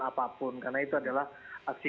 apapun karena itu adalah aksi